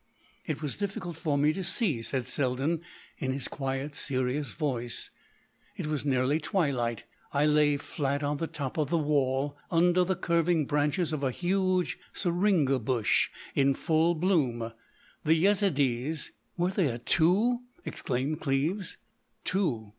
"It was difficult for me to see," said Selden in his quiet, serious voice. "It was nearly twilight: I lay flat on top of the wall under the curving branches of a huge syringa bush in full bloom. The Yezidees——" "Were there two!" exclaimed Cleves. "Two.